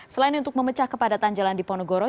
selain untuk memecah kepadatan jalan di ponegoro